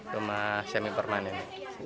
rumah semi permanen